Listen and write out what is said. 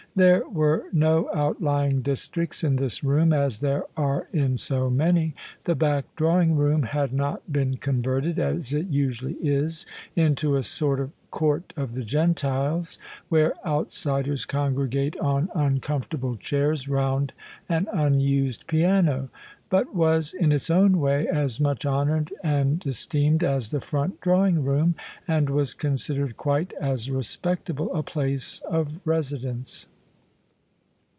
There were no outlying districts in this room as there are in so many: the back drawing room had not been converted, as it usually is, into a sort of Court of the Gentiles, where outsiders congregate on uncomforta ble chairs round an unused piano: but was in its own way as much honoured and esteemed as the front drawing room and was considered quite as respectable a place of residence.